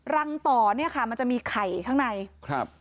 รังต่อมันจะมีไข่ข้างในครับ